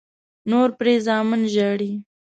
نور پرې زامن ژاړي.